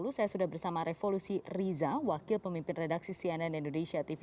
saya sudah bersama revolusi riza wakil pemimpin redaksi cnn indonesia tv